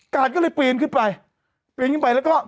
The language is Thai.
ก็เลยปีนขึ้นไปปีนขึ้นไปแล้วก็